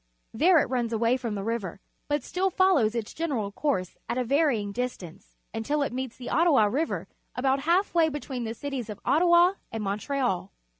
There it turns away from the river, but still follows its general course at a varjdng distance, until it meets the Ottaica River about half way between the cities of Ottawa and ^Montreal.